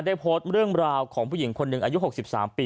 ได้โพสต์เรื่องราวของผู้หญิงคนหนึ่งอายุ๖๓ปี